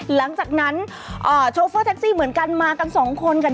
หลังจากนั้นโชเฟอร์แท็กซี่เหมือนกันมากันสองคนค่ะ